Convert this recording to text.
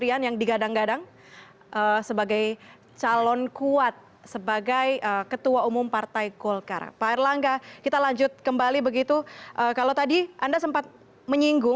anda tetap bersama kami